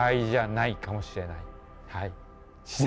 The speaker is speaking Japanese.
しないかもしれない。